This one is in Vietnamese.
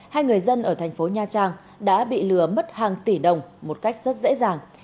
hai người dân ở thành phố nha trang đã bị lừa mất hàng tỷ đồng một cách rất dễ dàng